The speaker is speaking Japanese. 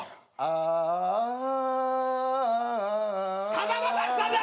さだまさしさんだ！